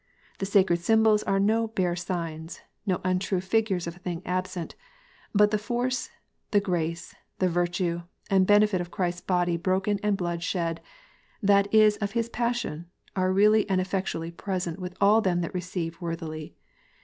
The sacred symbols are no bare signs, no untrue figures of a thing absent ; but the force, the grace, the virtue, and benefit of Christ s body broken and blood shed, that is of His passion, are really and effectually present with all them that receive worthily.